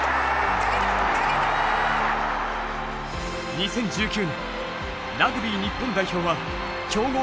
２０１９年ラグビー日本代表は強豪を次々と撃破。